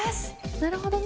なるほどね。